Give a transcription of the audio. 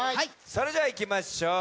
それじゃいきましょう。